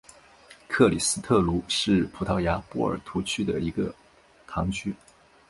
克里斯特卢是葡萄牙波尔图区的一个堂区。